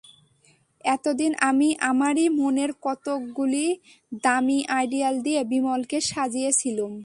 এতদিন আমি আমারই মনের কতকগুলি দামি আইডিয়াল দিয়ে বিমলকে সাজিয়েছিলুম।